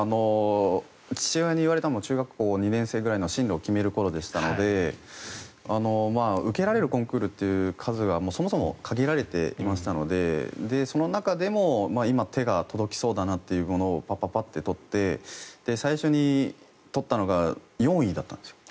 父親に言われたのが中学校２年生くらいの進路を決める頃でしたので受けられるコンクールっていう数がそもそも限られていましたのでその中でも今手が届きそうだなというものをパパッて取って最初に取ったのが４位だったんですよ。